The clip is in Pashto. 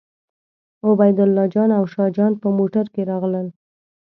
عبیدالله جان او شاه جان په موټر کې راغلل.